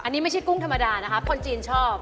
อันนี้ไม่ใช่กุ้งธรรมดานะคะคนจีนชอบ